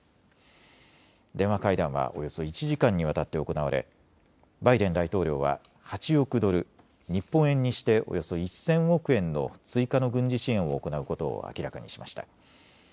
電話会談はおよそ１時間にわたって行われバイデン大統領は８億ドル、日本円にしておよそ１０００億円の追加の軍事支援を行うことを明らかにしました。